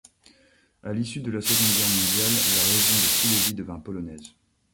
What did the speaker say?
À l’issue de la Seconde Guerre mondiale, la région de Silésie devint polonaise.